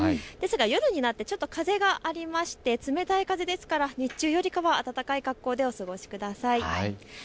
ですが夜になってちょっと風がありまして、冷たい風ですから日中よりは暖かい格好でお過ごしください。